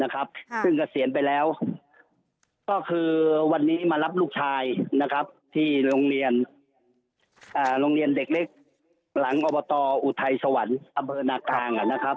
ซึ่งเกษียณไปแล้วก็คือวันนี้มารับลูกชายที่โรงเรียนเด็กเล็กหลังอบตออุทัยสวรรค์อเบิร์นหน้ากลาง